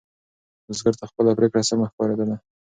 بزګر ته خپله پرېکړه سمه ښکارېدله.